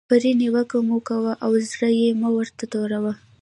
پرې نیوکه مه کوئ او زړه یې مه ور توروئ.